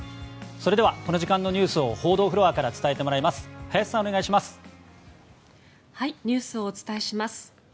それではこの時間のニュースを報道フロアから伝えてもらいますニュースをお伝えします。